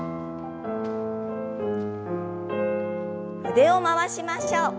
腕を回しましょう。